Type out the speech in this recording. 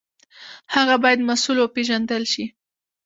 هغه باید مسوول وپېژندل شي.